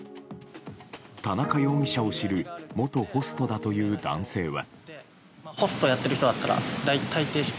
田中容疑者を知る元ホストだという男性は。